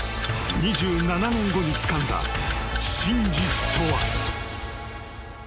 ［２７年後につかんだ真実とは］